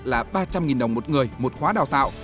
là ba trăm linh đồng một người một khóa đào tạo